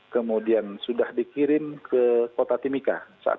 kemudian sudah dikirim ke kota timika